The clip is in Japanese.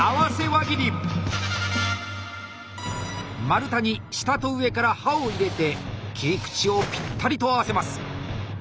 丸太に下と上から刃を入れて切り口をぴったりと合わせます。